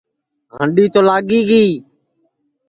ہانڈی تو لاگی گی